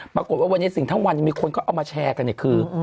ปรากฏว่าวันนี้สิ่งทั้งวันมีคนก็เอามาแชร์กันเนี่ยคือ